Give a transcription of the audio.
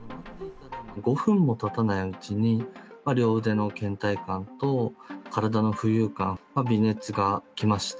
５分もたたないうちに両腕のけん怠感と、体の浮遊感、微熱がきまして。